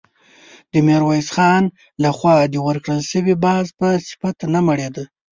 د ميرويس خان له خوا د ورکړل شوي باز په صفت نه مړېده.